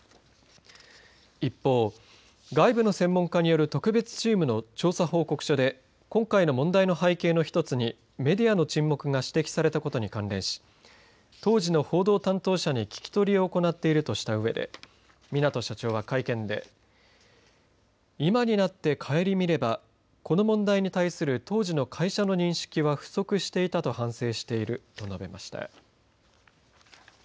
一方、外部の専門家による特別チームの調査報告書で今回の問題の背景の一つにメディアの沈黙が指摘されたことに関連し当時の報道担当者に聞き取りを行っているとしたうえで港社長は会見で今になって省みればこの問題に対する当時の会社の認識は不足していたと反省していると述べました。